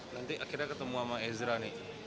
nanti akhirnya ketemu sama ezra nih